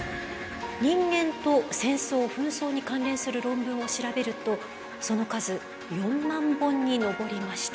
人間と戦争・紛争に関連する論文を調べるとその数４万本に上りました。